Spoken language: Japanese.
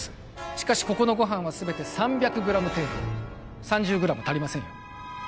しかしここのご飯は全て３００グラム程度３０グラム足りませんよ